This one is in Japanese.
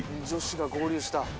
女子が合流した。